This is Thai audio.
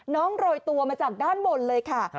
โรยตัวมาจากด้านบนเลยค่ะ